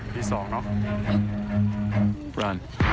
ปีสองเนอะ